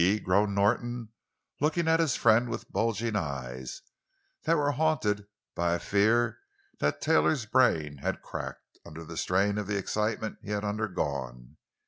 _ groaned Norton, looking at his friend with bulging eyes that were haunted by a fear that Taylor's brain had cracked under the strain of the excitement he had undergone.